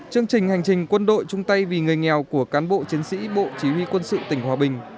chương trình hành trình quân đội trung tây vì người nghèo của cán bộ chiến sĩ bộ chỉ huy quân sự tỉnh hòa bình